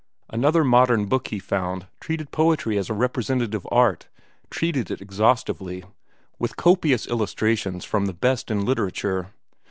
Another modern book he found treated poetry as a representative art, treated it exhaustively, with copious illustrations from the best in literature.